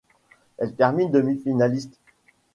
Elle termine demi-finaliste.